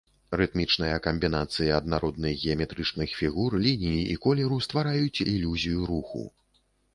Рытмічныя камбінацыі аднародных геаметрычных фігур, ліній і колеру ствараюць ілюзію руху.